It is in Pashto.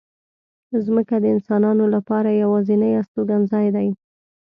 مځکه د انسانانو لپاره یوازینۍ استوګنځای دی.